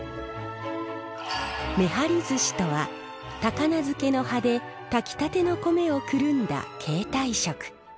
めはりずしとは高菜漬けの葉で炊きたての米をくるんだ携帯食。